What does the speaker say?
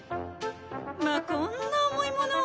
まあこんな重いものを。